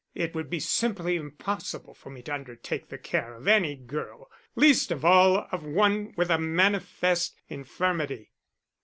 It would be simply impossible for me to undertake the care of any girl, least of all of one with a manifest infirmity."